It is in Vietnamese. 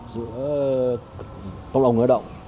giữa công lộng người lao động